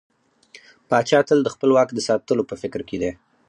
پاچا تل د خپل واک د ساتلو په فکر کې دى.